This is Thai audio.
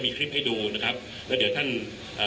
คุณผู้ชมไปฟังผู้ว่ารัฐกาลจังหวัดเชียงรายแถลงตอนนี้ค่ะ